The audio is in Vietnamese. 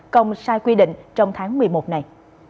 còn sai quy định trong tháng một mươi một này